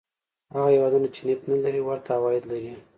هغه هېوادونه چې نفت نه لري ورته عواید لري.